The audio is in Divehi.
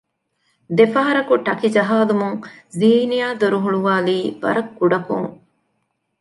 ދެފަހަރަކު ޓަކި ޖަހާލުމުން ޒީނިޔާ ދޮރުހުޅުވާލީ ވަރަށް ކުޑަކޮން